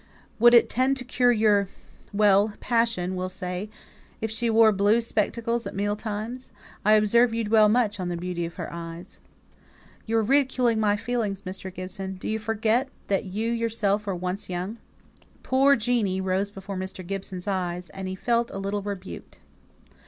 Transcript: "Would it tend to cure your well! passion, we'll say if she wore blue spectacles at meal times? I observe you dwell much on the beauty of her eyes." "You are ridiculing my feelings, Mr. Gibson. Do you forget that you yourself were young once?" "Poor Jeanie" rose before Mr. Gibson's eyes; and he felt a little rebuked.